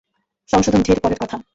সংশোধন ঢের পরের কথা।